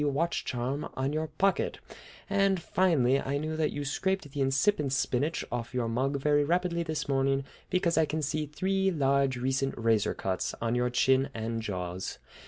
watch charm on your pocket; and, finally, I knew that you scraped the incipient spinach off your mug very rapidly this morning because I can see three large recent razor cuts on your chin and jaws!